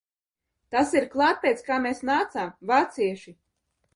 Tas ir klāt pēc kā mēs nācām, Vācieši!